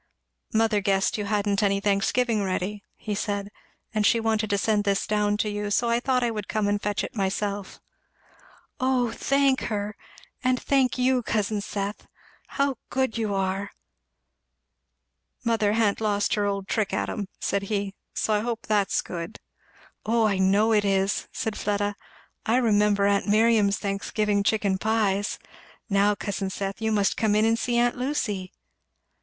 "Mother guessed you hadn't any Thanksgiving ready," he said, "and she wanted to send this down to you; so I thought I would come and fetch it myself." "O thank her! and thank you, cousin Seth; how good you are?" "Mother ha'n't lost her old trick at 'em," said he, "so I hope that's good." "O I know it is," said Fleda. "I remember aunt Miriam's Thanksgiving chicken pies. Now, cousin Seth, you must come in and see aunt Lucy."